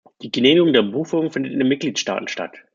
Die Genehmigung der Buchführung findet in den Mitgliedstaaten statt.